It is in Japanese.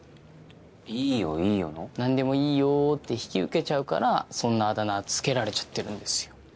なんでも「いいよ」って引き受けちゃうからそんなあだ名付けられちゃってるんですよ。